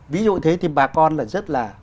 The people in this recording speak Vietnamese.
ví dụ thế thì bà con là rất là